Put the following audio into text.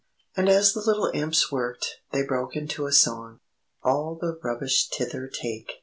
And as the little Imps worked, they broke into a song: "_All the rubbish Thither take!